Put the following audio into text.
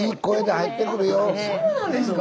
あそうなんですか！